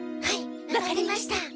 はい分かりました！